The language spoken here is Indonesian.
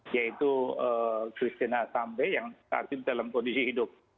yaitu kristina sambe yang saat itu dalam kondisi hidup